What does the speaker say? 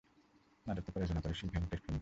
নাটকটি প্রযোজনা করে শ্রী ভেঙ্কটেশ ফিল্মস।